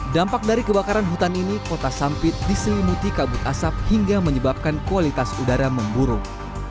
dampak dari kebakaran hutan ini kota sampit diselimuti kabut asap hingga menyebabkan kualitas udara memburuk